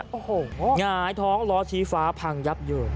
เฟ้ยซิอาง้ายท้องรอชี้ฟ้าพังยับเยอะ